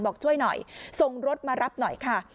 บอกช่วยหน่อยส่งรถมารับหน่อยค่ะ